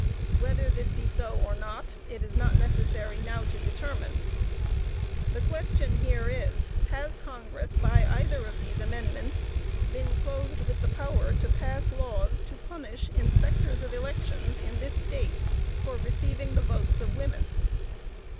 Whether this be so or not, it is not necessary now to determine. The question here is, has Congress, by either of these amendments, been clothed with the power, to pass laws to punish inspectors of elections in this State for receiving the votes of women?